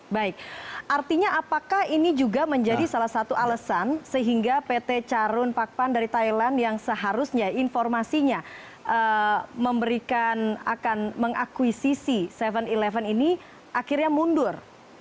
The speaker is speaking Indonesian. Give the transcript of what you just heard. baik artinya apakah ini juga menjadi salah satu alasan sehingga pt carun pakpan dari thailand yang seharusnya informasinya memberikan akan mengakuisisi tujuh sebelas ini akhirnya mundur